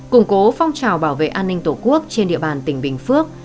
củng cố phong trào bảo vệ an ninh tổ quốc trên địa bàn tỉnh bình phước